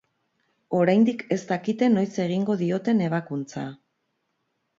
Oraindik ez dakite noiz egingo dioten ebakuntza.